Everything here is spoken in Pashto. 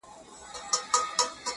زه له توره بخته د توبې غیرت نیولی وم-